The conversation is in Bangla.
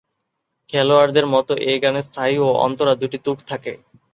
খেয়ালের মতো এ গানে স্থায়ী ও অন্তরা দুটি তুক থাকে।